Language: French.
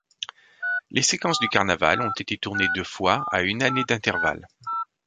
Les séquences du Carnaval ont été tournées deux fois, à une année d'intervalle.